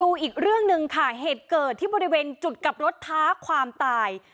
อีกเรื่องหนึ่งค่ะเหตุเกิดที่บริเวณจุดกลับรถท้าความตาย